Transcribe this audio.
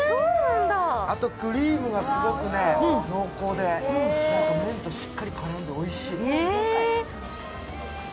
あとクリームがすごく濃厚で麺としっかり絡んでおいしい。